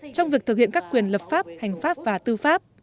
trong việc thực hiện các quyền lập pháp hành pháp và tư pháp